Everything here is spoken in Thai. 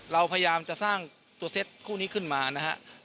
เราพยายามจะสร้างตัวเซ็ตคู่นี้ขึ้นมานะครับ